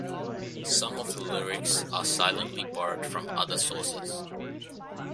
Some of the lyrics are silently borrowed from other sources.